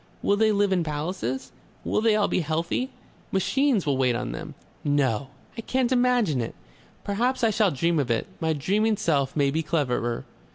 Will they live in palaces? Will they all be healthy?... Machines will wait on them. No! I can't imagine it. Perhaps I shall dream of it. My dreaming self may be cleverer."